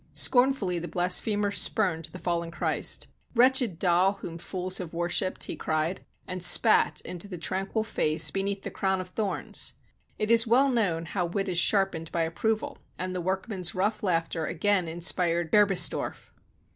Scornfully the blasphemer spurned the fallen Christ. "Wretched doll whom fools have worshiped!" he cried, and spat into the tranquil Face beneath the crown of thorns. It is well known how wit is sharpened by approval, and the workmen's rough laughter again inspired Berbistorf.